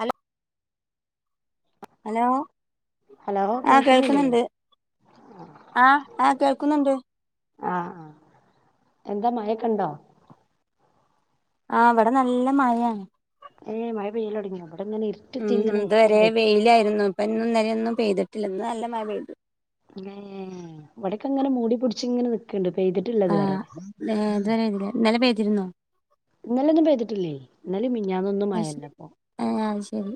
Hello hello hello അ കേൾക്കുന്നില്ലേ കേൾക്കുന്നുണ്ട് ആ ആ കേൾക്കുന്നുണ്ട് ആ ആ എന്താ മഴക്കെണ്ടോ? ആ ഇവിടെ നല്ല മഴയാണ് ഏ മഴ പെയ്യലോടങ്ങിയോ അവിടെ ഉം ഉം ഇതുവരെ വെയിലായിരുന്നു ഇപ്പ ഇന്നും ഇന്നലെയും ന്നും പെയ്തിട്ടില്ല ഇന്ന് നല്ല മഴ പെയ്തു. തെന്നെ ഇവിടെക്കെ ഇങ്ങനെ മൂടിപുടിച്ച് ഇങ്ങനെ നിക്ക്ണ്ട് പെയ്തിട്ടില്ല ആ ഇതുവരെ ഇതുവരെല്ല ഇന്നലെ പെയ് യിരുന്നോ ഇന്നെലൊന്നും പെയ്തിട്ടില്ലെ, ഇന്നലേം മിഞ് അത്ശ ആ അതുശരി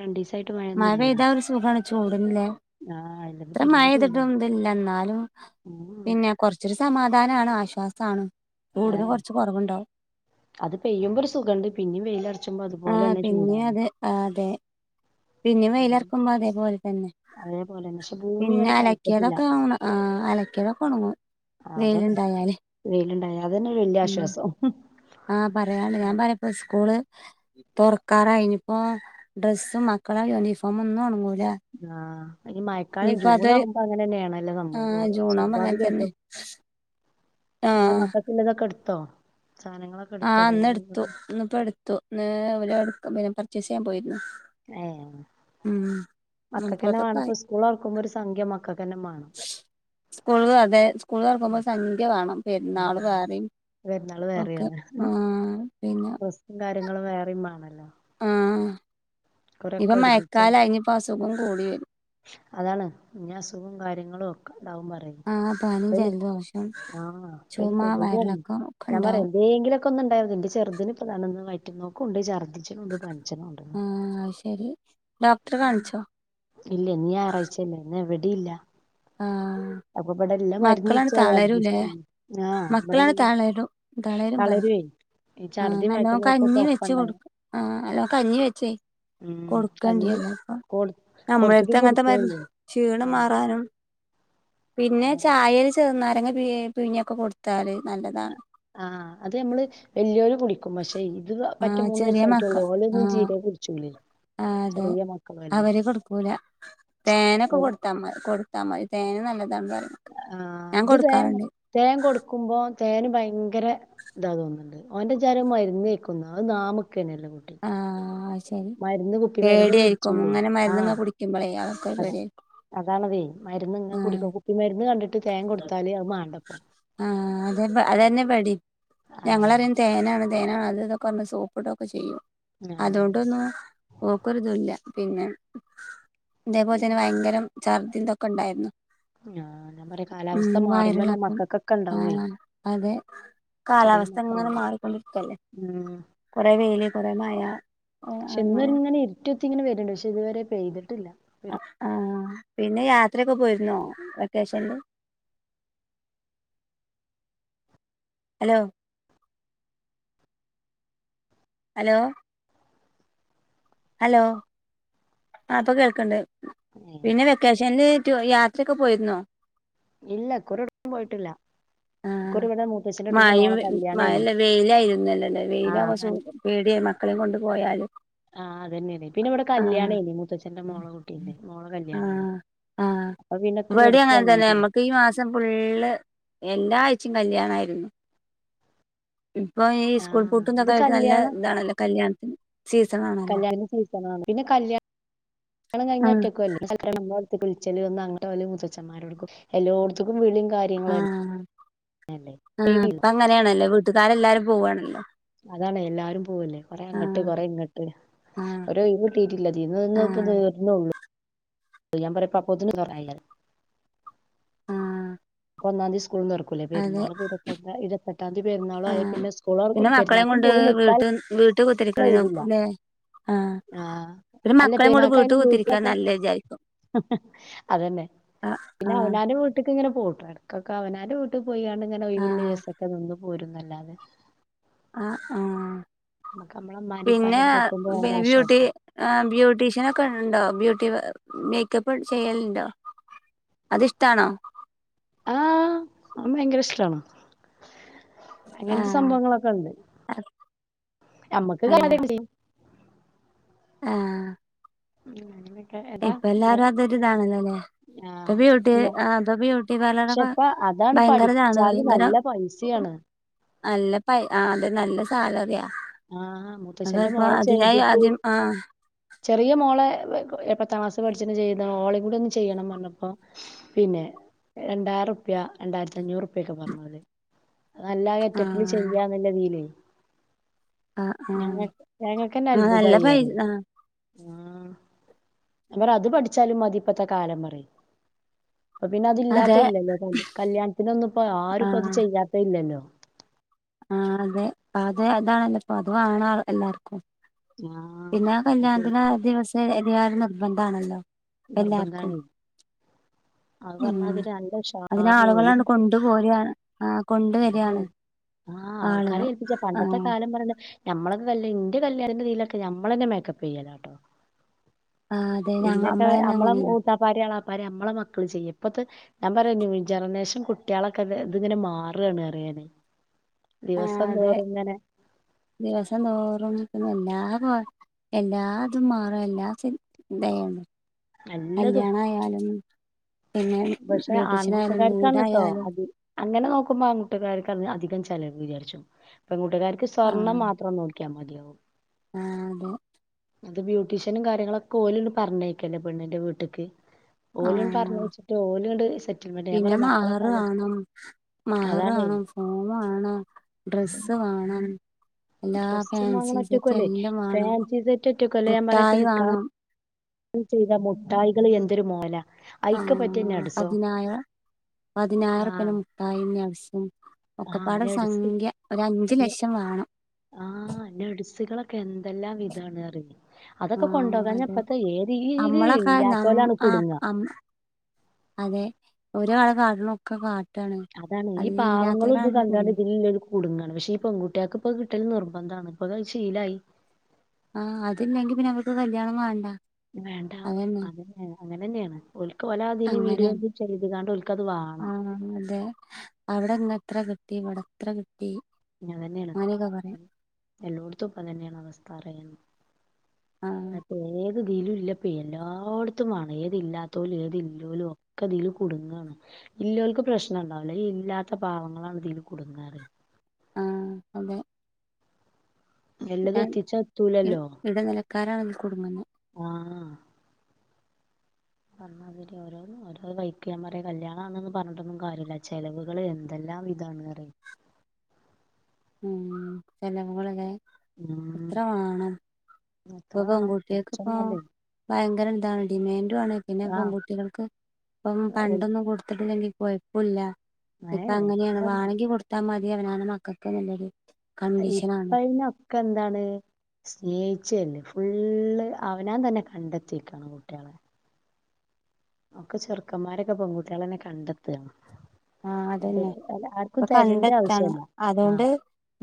രണ്ടീസം മഴ പെയ്താ ഒരു സുഖാണ് ചൂടിന്നില്ലേ, ആഹ് ഇല്ലെങ്കി ഇത്ര പെരും ചൂടാണ് മഴപെയ്തിട്ടും ഇതില്ല, എന്നാലും ഉം പിന്നെ കൊറച്ചൊരു സമാധ ധാനാണ് ആശ്വാസാണ് ചൂടിന് ആന്നെ കൊറച്ച് കൊറവുണ്ടാവും അത് പെയ്യുമ്പൊ ഒരു സുഖുണ്ട് പിന്നിം വെയിലർ ആ പിന്നെയും അത് അതെ പിന്നേം വെയിലർക്കുമ്പോ അതേപോലെ തന്നെ അതേപോലെന്നെ പക്ഷെ ഭൂമി പിന്നെ ഇങ്ങട്ട് തണുത്തിട്ടില്ല അലക്കിയതൊക്കെ ഒണ ആ അലക്കിയതൊക്കെ ഒണങ്ങും ആഹ് അതന്നെ വെയിലുണ്ടായാല് വെയിലുണ്ടായ അതന്നെ ഒരു വല്യ ഉം ആശ്വാസം ആ പറയാണ്ട് മഴ ഞാൻ പറയാ ഇപ്പോ സ്കൂള് തുറക്കാറായിനിപ്പോ ഡ്രസ്സും മക്കളെ യൂണിഫോമും ഒന്നും ഒണങ്ങൂൽ ആ ഇനി മയക്കാലം ജൂൺ ആകുമ്പോ അങ്ങനെ തന്നെയാണ് ആ ജൂണാവുമ്പോ അങ്ങനെ തന്നെ നിങ്ങ മക്കക്കുള്ളതൊക്കെ എടുത് ത്തോ ആ ഇന്ന് എടുത്തു ഇന്നിപ്പോ എടുത്തു ഇന്ന് ഓല് എട് പർ ച്ചെസിയാൻ പോയിരുന്നു ഏ ഉം മ് ഇപ്പോതൊക്കെ ആയി സ്കൂൾ തുറക്കുമ്പോ ഒരു സംഖ്യ മക്കൾക്കന്നെ വേണം സ്കൂള് അതെ സ്കൂള് തുറക്കുമ്പോൾ സംഖ്യ വേണം ആ, പെരുന്നാള് വേറെയും പെരുന്നാള് ഒക്കെ വേറെയാണ് മ് പിന്നെ ങ്ങള് വേറെയുംമാണല്ലോ ആഹ് ഇപ്പൊ ഒരുമിച്ച് മയക്കാലായ് ഇനീപ്പോ അസുഖോം ഗുളിയൻ അതാണ് പിന്നസുഖവും കാര്യങ്ങളും ഒക്കെ ഉണ്ടാവും പറയും ആഹ് പനി പിന്നെ ജലദോഷം ആ പിന്നെ ചുമ കൊതുകുവാ വയറിളക്കം ഒക്കെ ഞാൻ പറയാ ഉണ്ടാവും എന്തെങ്കിലും ക്കുന്നുണ്ടാരുന്നു എന്റെ ചെറുതിന് ഇപ്പോ വയറ്റിനോക്കുംണ്ട് ശർ ച്ചിനുണ്ട് പനിച്ചനുമുണ്ടെന്ന് ആഹ് അത് ശരി ഡോക്ടറെ കാണിച്ചോ ഇല്ല ഇന്ന് ഞായറാഴ്ചല്ലേ ഇന്ന് എവി ടെയില്ല ആ മക്കളാണ് വെച്ച് അത് തളരുംല്ലേ അഡ്ജസ്റ്റ് ചെയ്യും ആഹ് മക്കളാണ് ഇവിടെല്ല തളരും തളരും പറഞ്ഞു തളരുവേ ഈ ആ ഛർദി നല്ലോണം വയറ്റുന്നോക്കൊക്കെ കഞ്ഞി വെച്ച് ഒപ്പണ്ടായി കൊടുക്ക ആ അല്ല കഞ്ഞി വെച്ചേ ഉം കൊടുക്കുവേം കഞ്ഞി ചെയ്യ അപ്പ കൊടു കൊടുത്തിട്ടും നമ്മളടുത്ത് അങ്ങനത്തെ മരുന്ന് കുടിക്കണില്ലേ ക്ഷീണം മാറാനും പിന്നെ ചായേല് ചെറുനാര അതങ്ങ പിഴി പിഴിഞ്ഞൊക്കെ കൊടുത്താല് നല്ലതാണ് ആ അത് നമ്മള് വല്ല്യോരും കുടി ക്കും മശേ ആഹചെറിയ മക്കൾ ആ ചീരെ കുടിച്ചൂലേ ആ അതെ ചെറിയ മക്കളും അല്ലേ അവര് കൊടുക്കൂല തേനൊക്കെ കൊടുത്താ കൊടുത്താ മതി തേനും നല്ലത് ആ ഇത് തേൻ തേൻ കൊടുക്കുമ്പോ തേന് ഭയങ്കര ഇതാവുന്നുണ്ട് ഓന്റെ വിചാരം മരുന്ന് കൈയ്ക്കുന്ന അത് നാമ ക്കെ നല്ല കുട്ടി ആഹ് അത് ശരി മരുന്ന് കുപ്പി മരുന്ന് പേടിയായിരിക്കും കുടിച്ചുന്ന് ഇങ്ങനെ ആ മരുന്നിങ്ങനെ കുടിക്കുമ്പളേ അവർക്കൊരു അത പേടിയായിരിക്കും അതാണതേ മരുന്ന് ഇങ്ങെ കുടിക്ക കുപ്പി മരുന്ന് കണ്ടിട് ആ അത അതന്നെ പടി ആഹ് ഞങ്ങളറയും തേന തേനാണ് അതിതൊക്കെറന്ന് സോപ്പിടുകയും ചെയ്യും ആഹ് അതൊണ്ടൊന്നും ഓക്കരുതു ഇല്ല. പിന്നെ തേപോലെ തന്നെ ഭയങ്കരം ഛർദിതൊക്കെണ്ടായിരുന്നു ആ ഉം വയറിളക്കം ആ ഉണ്ടാവേ അതെ ചെറിയ കാലാവസ്ഥങ്ങനെ മക്കളാണ് മാറിക്കൊണ്ടിരിക്കല്ലേ ഉം കൊറെ വെയില് കൊറെ മയ പക്ഷെ ഇന്നൊരു അങ്ങനെ ഇങ്ങനെ ഇരുട്ടുത്തി ഇങ്ങനെ വരുന്നുണ്ട് പക്ഷെ ഇതുവരെ പെയ്തിട്ടില്ല ആ ആ പിന്നെ യാ ത്രയൊക്കെ പോയിരുന്നോ vacation hello hello hello hello ആപ്പൊ കേൾക്കണ്ട് ഏഹ് പിന്നെ വെക്കേഷൻല് [inaudible] യാത്രയൊക്കെ പോയിരുന്നോ ഇല്ല ഇക്കുറി എവിടേക്കും പോയിട്ടില്ല ആ ഇക്കുറി ഇവിടെ മൂത്തച്ഛന്റെ കുട്ടീന്റെ മയയും മോളെ മ കല്യാണേനി ല്ല വെയിലായിരുന്നലല്ലേ വെയില ആഹ് പേടിയ മക്കളെം കൊണ്ട് പോയാലും ആ അതന്നെയേതെ പിന്നെ ഇടെ കല്യാണ മൂത്തച്ഛന്റെ മോള കുട്ടീന്റ മോള കല്യാണായിനി ആഹ് ആഹ് അപ്പൊ പിന്നെ ഇക്കുറി ഇവിടേം എവിടുക്കും അങ്ങനെ തന്നെ അനങ്ങീട്ടില്ല നമ്മക്ക് ഈ ച്ചും കല്യാണായിരുന്നു ഇപ്പൊ ഈ സ്കൂൾ ആഹ് പൂട്ടുന്നൊക്കായിട്ട് നല്ല ഇതാണല്ലോ കല്യാണം കല്യാണത്തിന്റെ സീസണ പിന്നെ കല്യാണം കണം കഴിഞ്ഞാ ആഹ് [inaudible] ല്ലേ വിളിച്ചല് ഒന്ന അങ്ങട്ട് പോലു മുത്തച്ചന്മാരോടുക്കും എല്ലോട്ത്തും വിളിയും കാര്യങ്ങള തന്നെ ആ അപ്പാങ്ങനെയാണല്ലേ വീട്ടുകാരല്ലാരും പോവണല്ലോ അതാണ് എല്ലാരും പോവല്ലേ കൊറെ അങ്ങോട്ട് കൊറെ ഇങ്ങട്ട് ആഹ് ഒരൊയിവ് കിട്ടിട്ടില്ലതിന്ന് ഇന്ന ഇപ്പ ആഹ് നീര്നൊള്ളു [unintelligible] ആഹ് പ്പൊ ഒന്നാന്തി സ്കൂൾ ളറക്കൂല്ലേ അതെ പെര്ന്നാളും ഇരുപ ഇരുപത്തെട്ടാംതി പെരുന്നാളും ആയെ ആഹ് പിന്നെ സ്കൂളൊറക്കും പിന്നെ മക്കളെയും പെരുന്നാൾക്കും കൊണ്ട് പോയി നിൽക്കാ വീട്ട് വീട്ട് കുത്തിരിക്കണേനും ഇില്ല ല്ലേ ആഹ് ആഹ പിന്നെ അല്ല മക്കളെയും കൊണ്ട് പിനാക്ക വീട്ട് അയിന്റെ കുത്തിരിക്കാ വീട്ടിലൊക്കെ നല്ലേ വിചാരിക്കും അതന്നെ ആഹ് പിന്നെ ആഹ് അവനന്റെ വീട്ടക്ക് ഇങ്ങനെ പോവുട്ടും എടക്ക ക്കഅവനാന്റെ വീട്ടിക്ക് പോയിാണ്ങ്ങനെവിള്ളി ആഹ് ദിവസൊക്കെ നിന്നന്ന് പോര അതെ ആഹ ആഹ നമ്മളെ ഇമ്മാന്റിം പിന്നെ ഇപ്പാന്റിം അടുത്ത് എത്തുമ്പോ വേറെ പിന്നെ ബ്യൂട്ടി ആശ്വാസാ ആ ബ്യൂട്ടീഷ്യൻ ഒക്കെ ഉണ്ടോ ബ്യൂട്ടി മേക്കപ്പ് ചെയ്യലുണ്ടോ അത്ഷ്ടാണോ ആഹ് അ ഭയങ്കര ഇഷ്ടാണ് അങ്ങനത്തെ ആഹ് സംഭവങ്ങളൊക്കെ ഉണ്ട് അമ്മക്ക് [inaudible] ആഹ [inaudible] ഇപ്പ എല്ലാരും അതൊരു ഇതാണല്ലോല്ലേ ഇപ്പൊ ബ്യൂട്ടി ഇല്ല ആ ഇപ്പൊ ബ്യൂട്ടി പക്ഷെ പാർലർക്ക ഇപ്പ അതാണ് ഭയങ്കര ഇതാണ് പഠിച്ചാല് ഭയങ്കര നല്ല പൈസയാണ് നല്ല ആ അത നല്ല [inaudible] ആഹ അത മുത്തച്ഛശന്റെ ഇപ്പൊ മോള അതിനായി ചെയ്തിട്ട് ആദ്യം ആഹ് ചെറിയ മോളെ എ പത്താം ക്ലാസ് പഠിച്ച ചെയ്യത ഓളയും കൂടി ഒന്ന് ചെയ്യണം പറഞ്ഞപ്പോ പിന്നെ രണ്ടായിരം പ്യ രണ്ടായിരത്തി അഞ്ഞൂറ് റുപ്യ ഒക്കെ പറഞ്ഞല് നല്ല കറ്റപ്പില് ആഹ് ചെയ്യാ നല്ല തീലേ ആഹ് ആഹ് ഞങ്ങക്കന്നെ ആഹ് നല്ല അത്ഭുതായി പറയും പൈസ് ആഹ് ആഹ് ഞ പറ അത് പഠിച്ചാലും മതിപ്പത്തെ കാലം പറെ അപ്പൊ പിന്നെ അതില്ലാത്ത അതെ ഇല്ലല്ലോ കല്യാണ്ത്തിനൊന്നും ഇപ്പ ആര്പ്പോ ഇത് ആഹ് ചെയ്യാത്ത ഇല്ലല്ലോ ആഹ് അതെ അതെ അതാണല്ലോപ്പ അത്വാണോ എല്ലാർക്കും ആഹ് പിന്നെ അതെ കല്യാണത്തിന് ദിവ [unintelligible] എത് നിർബന്ധ ആണല്ലോ എല്ലാർക്കും നിർബന്ധാണേ അത് ഉം പറഞ്ഞാതിരി നല്ല അതിനെ ഉഷാറില് ഓല് ആളുകളണ്ട് മറ്റേ കൊണ്ടുപോര ആഹ് അതാണേ. കൊണ്ട്വര്യാണ് ആഹ് ആൾക്കാരെ ഏൽപ്പിച്ച പണ്ടത്തെ കാലം പറഞ്ഞ ഞമ്മളെക്കെ കല് ഇന്റെ കല്യാണന്റെറെ ഇതിയിലൊക്കെ ഞമ്മൾ തന്നെ മേക്കപ്പ് ചെയ്യലാട്ടോ ആഹ് അതെ ഞങ്ങ എ നമ്മളന്നെ അമ്മളം അങ്ങനെയ്ന്നു ഊട്ടാപ്പാരിയാളാ പര അമ്മള മക്കളും ചെയ്യും ഇപ്പത്തെ ഞാൻ പറയാ ന്യൂ ജറനേഷൻ കുട്ടികളൊക്കെ ഇത് ഇതിങ്ങനെ മാറുകാണ് അറിയാതെ ആ അതെ ദിവസം തോറും പിന്നെ എന്നാ അ എല്ലാ ഇതും മാറും എല്ലാ സിം ഇതേണ്ടേ നല്ല കല്യാണായാലും പിന്നെ പക്ഷെ ബ്യൂട്ടീഷ്യനായാലും ആൺകുട്ടുകാർക്കാണ് ട്ടോ വീടായാലും അതി അങ്ങനെ നോക്കുമ്പോ ആൺകുട്ടിക്കാർക്കാണ് അധി കം ചെലവ് വിചാരിച്ചു പ്പെ കൂട്ടുകാർക്ക് സ്വർണം ആഹ് മാത്രം നോക്കി യ മതിയാവും ആഹ് അതെ അത് ബ്യൂട്ടീഷ്യനും കാര്യങ്ങളൊക്കെ ഓലന്നെ പറഞ്ഞയക്കല്ലേ പണ്ണിന്റെ വീട്ടക്ക് ഓലൻ പറഞ്ഞു ആഹ് വെച്ച പിന്നെ മഹറ് ആലോചിച്ച് വാങ്ങും മഹറ് അതാണേ കാണും ഫോൺ വേണം ഡ്രസ്സ് വേണം എല്ലാ ഡ്രസ്സും ഫാൻസി സെറ്റ് വാങ്ങണൊറ്റക്കുവല്ലേ എല്ലാം വേണം ഫാൻസി സെറ്റിട്ടേക്കുവല്ലേ ഞാൻ പറയാം ഇപ്പ മിഠായി നിക്കാഹ് വേണം ചെയ്ത മുട്ടായികള് എന്തൊരു മോലാ അയിക്ക് ആഹ് പറ്റിയ നട്സോ പതിനായിരം പതിനായിരം ആഹ് റൂപ്പിയെന്റെ മുട്ടായി നട്സ് ആഹ് ആന [unintelligible] ഒരു അഞ്ചു ലക്ഷം വേണം അൻ്റെ അടസികളൊക്കെ എന്തെല്ലാം വി [unintelligible] ആ അതൊക്കെ അതെ കൊണ്ടുപോകാഞ്ഞപ്പത്തെ ഏത് യില് നമ്മളൊക്കെ നം ഇല്ലാത്തോലാണ് ആ കുടുങ്ങ അം [unintelligible] ഒക്കെ കാ അതാണ് ഈ പാവങ്ങളും ഇത് കണ്ടാണ്ട് കുടുങ്ങും ഇതിലില്ല കുടുങ്ങാണ് പക്ഷെ ഈ പെൺകുട്ടിയോക്ക ഇപ്പൊ കിട്ടല് നിർബന്ധമാണ് ഇപ്പൊ ശീലായി ആഹ് അതല്ലെങ്കിൽ പിന്നെ അവർക്ക് കല്യാണം വേണ്ട വേണ്ട അതന്നെ അങ്ങനെയ അങ്ങനന്നെയാണ് ഓൽക്ക് വലാ അതി വീഡിയോ അങ്ങനെയാണ് ചെയ്താണ്ട് ഓൽക്കത് ആ വാങ്ങണം അതെ അവിടെ ഇങ്ങ എത്ര കിട്ടി ഇവിടെ കിട്ടി അങ്ങനെ തന്നെയാണ് അങ്ങനെയൊക്കെ പറയും എല്ലോടത്തുംപ്പ തന്നെയാണ് അവസ് പറയുന്നു ആഹ് അതേത് ഇതിലും ഇല്ലപ്പ എല്ലായിടത്തുംമാണ് ഏത് ഇല്ലാത്തോലും ഏത് ല്ലോലും ഒക്കെ ഇതിൽ കുടുങ്ങാണ് ഇല്ലോല്ക്ക് പ്രശ്നം ഉണ്ടാവലേ ഇല്ലാത്ത പാവങ്ങളാണ് ഇതിൽ കുടുങ്ങാറ് ആഹ് അതെ നല്ലത് എത്തിച്ചാത്തൂലല്ലോ കാരാണ് ഇതീ കുടുങ്ങുന്നെ ആഹ്. പറഞ്ഞാതി ഓരോന്ന ഓരോ വൈക്കയാൻ പറ കല്യാണം അന്നൊന്നും പറഞ്ഞിട്ടൊന്നും കാര്യമില്ല ചെലവുകൾ എന്തെല്ലാം വിതാണ് ഉ ചെലവുകളല്ലെ ഉം ഇത്ര വാണം. എത്ര ഇപ്പൊ വേണം പെൺകുട്ടികൾക്ക് ഇപ്പൊ കുറച്ചൊന്നല്ലേ ഭയങ്കര ഇതാണ് ഡിമാൻഡു ആണ് പിന്നെ ആഹ് പെൺകുട്ടികൾക്ക് ഇപ്പം പണ്ടൊന്നും കൊടുത്തി അങ്കി കൊയപ്പുല്ല. ഇപ്പൊ അങ്ങനെയാണ് വാണെങ്കി കൊടുത്താ മ എവനാണ് മക്കൾക്ക് നല്ലടി ഇപ്പഴ് ന ഒക്ക എന്താണ് സ്നേഹിച്ചല്ലേ ഫുള്ള് അവനൻ തന്നെ കണ്ടെത്തിക്കാണ് കുട്ടികളെ ഒക്കെ ചെറുക്കന്മാരൊക്കെ പെൺകുട്ടികള എന്നെ കണ്ടെത്തുകയാണ്. ആഹ് അതന്നെ ഇപ്പൊ തെരണ്ട കണ്ടെത്താണ് ആവശ്യല്ല അതുകൊണ്ട് ആഹ്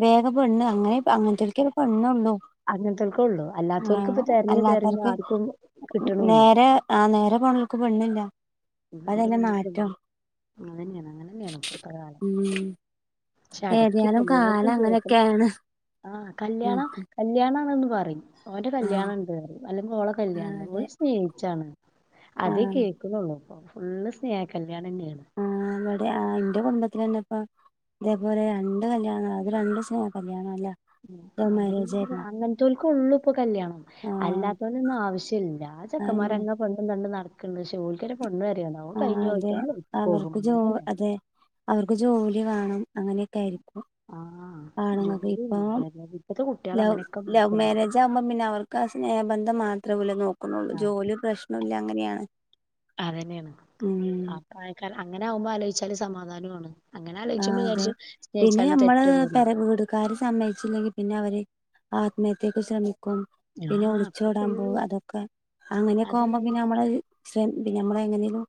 വേഗ പ്പെണ്ണ് അങ്ങനെ അങ്ങനത്തെ ഒക്കെ പെണ്ണ് ഉണ്ടോ. അങ്ങനത്തോൽക്കൊള്ളൂ അല്ലാത്തോൽക്ക് ഇപ്പ ആഹ് തെരഞ്ഞ് തെരഞ്ഞ് അല്ലാത്തവർക്ക് ആർക്കും കിട്ടണൂല്ല നേരെ ആഹ് നേരെ പോണർക്ക് പെണ്ണില്ല. അതന്നെ മാറ്റം [unintelligible] അങ്ങനന്നെയാണ് ഇപ്പൊത്ത കാലം ഉം ചടക്കി ഏതായാലും കാലം [unintelligible] അങ്ങനെയൊക്കെയാണ് ആഹ് കല്യാണം മറ്റേ കല്യാണങ്ങനൊന്നും പറയും. ഓന്റെ കല്യാണ ആഹ് ഉണ്ട് പറയും അല്ലെങ്കിൽ ഓളെ ആഹ് കല്യാണണ്ട് ഓ അതെ സ്നേഹിച്ചാണ് അതെ ആഹ് കേക്കുന്നുള്ളു. ഫുള്ള് സ്നേഹക്ക ല്യാണന്നേണ്. ആഹ് ഇവിടെ ആഹ് ഇന്റെ കുടുംബത്തില് തന്നെ ഇപ്പ ഇതേപോലെ രണ്ട് കല്യാണം നടന്ന് അത് രണ്ട് കല്യാണം [unintelligible] ലവ് അതി മാരേജ് ആയിരുന്നു അങ്ങനത്തൽക്കൊള്ളു ഇപ്പൊ കല്യാണം. ആഹ് അല്ലാത്തോലൊന്നാവിശ്യല്ല. ആ അതന്നെ ചക്കന്മാർങ്ങെ പെണ്ടും കണ്ടും നട [unintelligible] ശോൽക്കൊരു പെണ്ണ് വര [unintelligible] ആഹ് അതെ അവർക്ക് ജോ അതെ അവർക്ക് ജോലി വേണം. അങ്ങനെയൊക്കെ ആയിരിക്കും. ആ ആണ്ങക്ക് ജോലിയും ഇപ്പ വിദ്യാഭ്യാസം ഇപ്പത്തെ കുട്ടികള് ലവ അങ്ങനെയൊക്കെ ലവ് നോക്ക്ണ്ട് മാരേജ് ആകുമ്പോ പിന്നെ അവർക്ക് ആ സ്നേഹബന്ധം മാത്രമല്ല നോക്കുന്നുള്ളൂ ആ ജോലി പ്രശ്നം ഇല്ല. അങ്ങനെയാണ്. അതന്നെയാണ്. ഉം ആക്ക അങ്ങനെ ആകുമ്പോ ആലോചിച്ചാല് സമാധാനം ആണ്. ആ അതെ, പിന്നെ നമ്മള് തെറ്റൊന്നുമില്ല പര വീടുകാര് സമ്മതിച്ചില്ലെങ്കി പിന്നെ അവര് ആത്മഹത്യകു സ ആ പിന്നെ അപ്പൊ ഒളിച്ചോടാൻ ഫുൾ പോവ് അതൊക്കെ, അങ്ങനൊക്കാവുമ്പോ അതന്നെ പിന്നെ നമ്മളത് ശ്രദ്ധിക്കു നമ്മൾ എങ്ങനെലും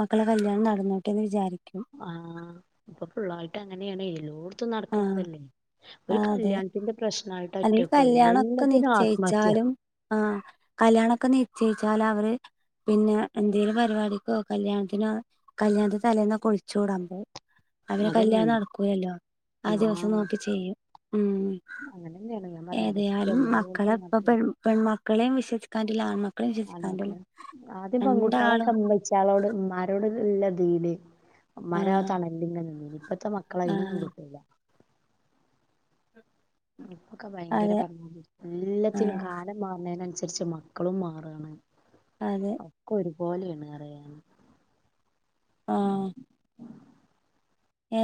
മക്കളെ കല്യാണം നടന്നോട്ടേന്ന് വിചാരിക്കു ആഹ ഇപ്പൊ ഫുളായിട്ട് അങ്ങനെയാണ് എലോ ആഹ ആ അതെ, കല്യാണത്തിന്റെ പ്രശ്നമായിട്ട് അല്ലെങ്കിൽ ഒറ്റക്കുവല്ലേ കല്യാണംമൊക്കെ എല്ലാത്തിനും ആത്മഹത്യ നിശ്ചയിച്ചാലും, ആഹ കല്യാണൊക്കെ നിശ്ചയിച്ചാല പിന്നെ എന്തേലു പരിപാടിക്കോ കല്യാണത്തിനോ കല്യാണത്തി തലേന്നൊക്കെ ഒളിച്ചോടാം പോവും. അവന് കല്യാണം അതന്നെയാണ് നടക്കൂലല്ലോ. ആ ദിവസം നോക്കി ചെയ്യും. ഉം അങ്ങനെ തന്നെയാണ് ഞാൻ പറയാ അടക്ക ഏതായാലും മക്കളെ എല്ലോടത്തും ഇപ്പെ നടക്കണ് പെൺമ മക്കളേ വിശൊസിക്കാൻ പറ്റില്ല ആൺമക്ക ആൾമക്കള്. ആദ്യം പെൺകുട്ടാളൊക്കെ രണ്ടാളും ഉമ്മച്ചാളോട് ഉമ്മാരോട് നല്ലദീല് മരാ ആഹ് തണലിങ [unintelligible] മുത്ത മക്കളെ അതിനൊന്നും ആഹ് കിട്ടൂല്ല ഇപ്പൊക്കെ ഭയങ്കര അതെ പറഞ്ഞ എല്ലാത്തിനും ആഹ് കാലം മാറ്ണീനനുസ തിരിച്ച് മക്കളും മാറാണ്. അതെ അവകൊരു പോലെയാണ് അറിയാന്. ആഹ്.